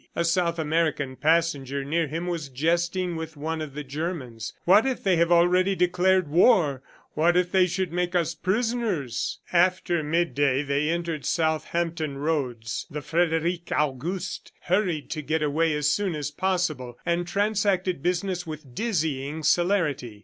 A South American passenger near him was jesting with one of the Germans, "What if they have already declared war! ... What if they should make us prisoners!" After midday, they entered Southampton roads. The Frederic August hurried to get away as soon as possible, and transacted business with dizzying celerity.